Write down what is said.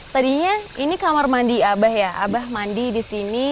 tadinya ini kamar mandi abah ya abah mandi di sini